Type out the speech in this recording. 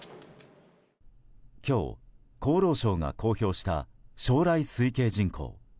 今日、厚労省が公表した将来推計人口。